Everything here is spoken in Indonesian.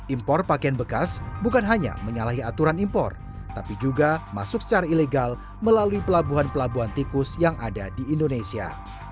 impor pakaian bekas bukan hanya menyalahi aturan impor tapi juga masuk secara ilegal melalui pelabuhan pelabuhan tikus yang ada di indonesia